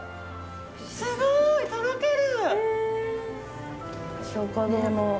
すごいとろける！